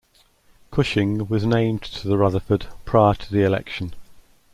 Cushing was named to the Rutherford prior to the election.